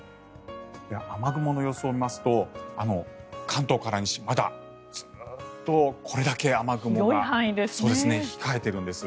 雨雲の様子を見ますと関東から西はまだずーっとこれだけ雨雲が控えているんです。